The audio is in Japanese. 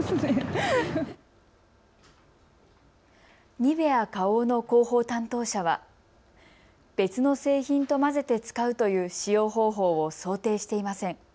ニベア花王の広報担当者は別の製品と混ぜて使うという使用方法を想定していません。